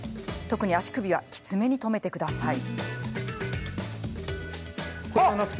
特に足首はきつめに留めてください。